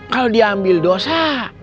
kalau diambil dosa